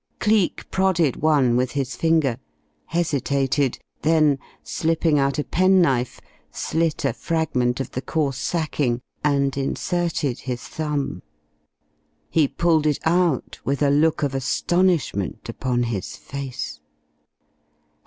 Cleek prodded one with his finger, hesitated, then slipping out a penknife, slit a fragment of the coarse sacking and inserted his thumb.... He pulled it out with a look of astonishment upon his face.